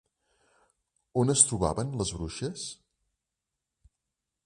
On es trobaven les bruixes?